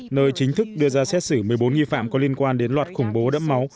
nơi chính thức đưa ra xét xử một mươi bốn nghi phạm có liên quan đến loạt khủng bố đẫm máu